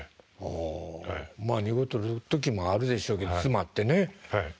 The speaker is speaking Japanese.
まあ２個取れる時もあるでしょうけど詰まってね。